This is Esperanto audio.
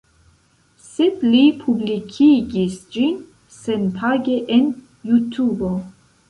Sed li publikigis ĝin senpage en Jutubo